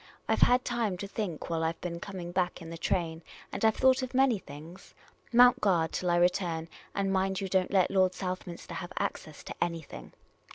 I 've had time to think while I 've been coming back in the train, and I 've thought of many things. Mount guard till I return, and mind you don't let Lord Southminster have access to anything."